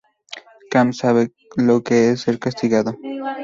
Cam sabe lo que es ser castigado.